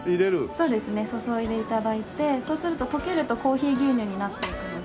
そうですね注いで頂いてそうすると溶けるとコーヒー牛乳になっていくので。